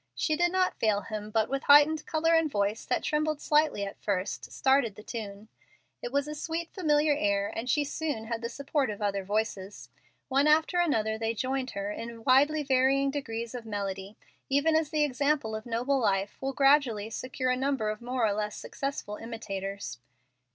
She did not fail him, but, with heightened color and voice that trembled slightly at first, "started the tune." It was a sweet, familiar air, and she soon had the support of other voices. One after another they joined her in widely varying degrees of melody, even as the example of a noble life will gradually secure a number of more or less successful imitators.